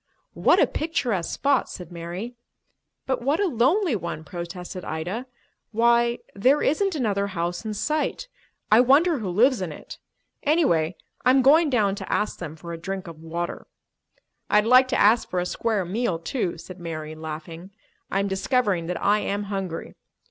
"What a picturesque spot!" said Mary. "But what a lonely one!" protested Ida. "Why, there isn't another house in sight. I wonder who lives in it. Anyway, I'm going down to ask them for a drink of water." "I'd like to ask for a square meal, too," said Mary, laughing. "I am discovering that I am hungry.